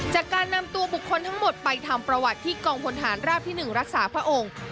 จากการนำตัวบุคคลทั้งหมดไปทำประวัติที่กองพลฐานราบที่๑รักษาพระองค์